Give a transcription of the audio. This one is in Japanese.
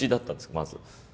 まず。